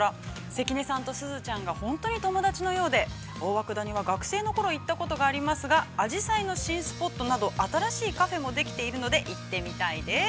◆関根さんとすずちゃんが、本当に友達のようで、大涌谷は学生のころ、行ったことがありますが、新しいカフェもできているので行ってみたいです。